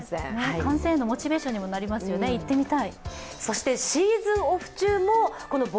観戦へのモチベーションにもなりますよね、行ってみたい。